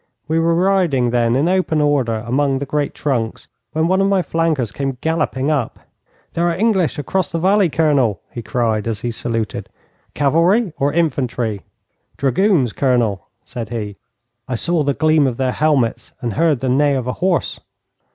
We were riding then in open order among the great trunks, when one of my flankers came galloping up. 'There are English across the valley, Colonel,' he cried, as he saluted. 'Cavalry or infantry?' 'Dragoons, Colonel,' said he; 'I saw the gleam of their helmets, and heard the neigh of a horse.'